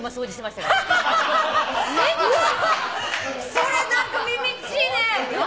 それ何かみみっちいね！